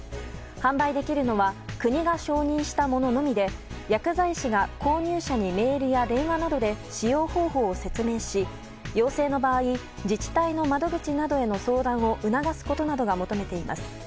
販売できるのは国が承認したもののみで薬剤師が購入者にメールや電話などで使用方法を説明し陽性の場合自治体の窓口などへの相談を促すことなどを求めています。